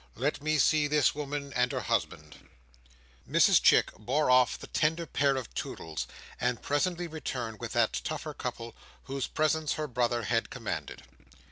Let me see this woman and her husband." Mrs Chick bore off the tender pair of Toodles, and presently returned with that tougher couple whose presence her brother had commanded.